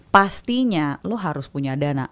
pastinya lo harus punya dana